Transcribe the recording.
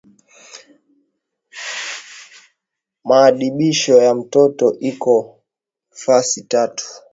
Maadibisho ya mtoto iko fasi tatu